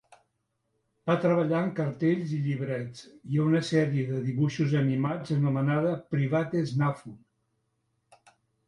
Va treballar en cartells i llibrets, i a una sèrie de dibuixos animats anomenada Private Snafu.